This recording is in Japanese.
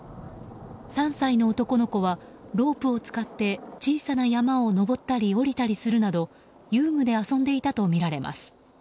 ３歳の男の子はロープを使って小さな山を登ったり下りたりするなど遊具で遊んでいたとみられます。